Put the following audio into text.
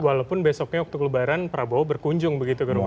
walaupun besoknya waktu kelebaran prabowo berkunjung begitu ke rumah